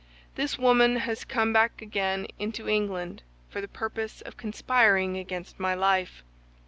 This woman has come back again into England for the purpose of conspiring against my life.